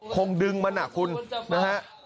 คงดึงมันอ่ะคุณนะฮะ